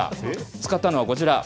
使ったのはこちら。